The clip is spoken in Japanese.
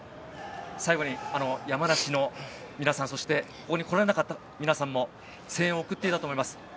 最後に、山梨の皆さんそしてここに来られなかった皆さんも声援を送っていたと思います。